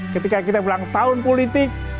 ketika kita bilang tahun politik